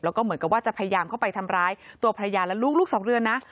แล้วก็เหมือนกับว่าจะพยายามเข้าไปทำร้ายตัวภรรยาและลูกลูกสองเดือนนะ